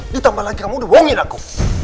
ditambah lagi kamu udah boongin aku